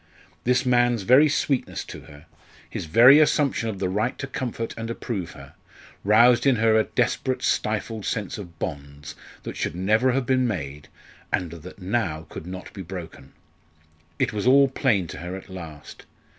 This man's very sweetness to her, his very assumption of the right to comfort and approve her, roused in her a desperate stifled sense of bonds that should never have been made, and that now could not be broken. It was all plain to her at last.